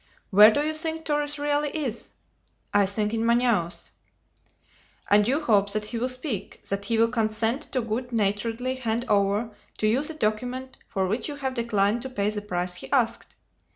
"Where do you think Torres really is?" "I think in Manaos." "And you hope that he will speak that he will consent to good naturedly hand over to you the document for which you have declined to pay the price he asked?"